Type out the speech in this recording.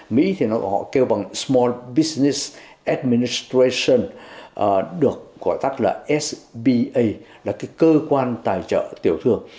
mỹ thì họ kêu bằng small business administration được gọi tắt là sba là cái cơ quan tài trợ tiểu thường